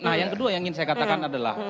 nah yang kedua yang ingin saya katakan adalah